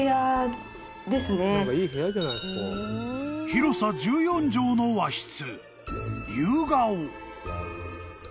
［広さ１４畳の和室］